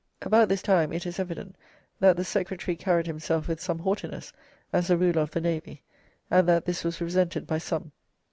About this time it is evident that the secretary carried himself with some haughtiness as a ruler of the navy, and that this was resented by some.